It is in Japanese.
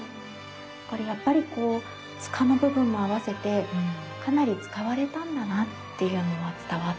これやっぱりこう柄の部分も合わせてかなり使われたんだなっていうのは伝わってきますよね。